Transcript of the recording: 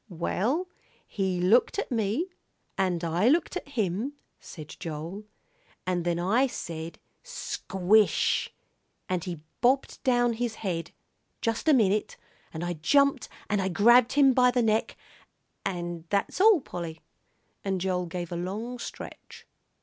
"Well, he looked at me, and I looked at him," said Joel, "and then I said 'Squish!' and he bobbed down his head, just a minute, and I jumped and I grabbed him by the neck, and that's all, Polly." And Joel gave a long stretch.